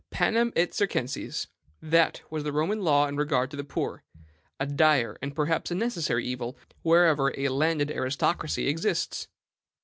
Panem et circenses: that was the Roman law in regard to the poor; a dire and perhaps a necessary evil wherever a landed aristocracy exists.